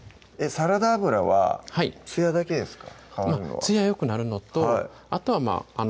サラダ油はツヤだけですか？